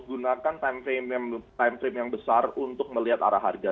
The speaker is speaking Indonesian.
gunakan time frame yang besar untuk melihat arah harga